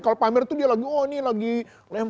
kalau pamer tuh dia lagi oh ini lagi lempar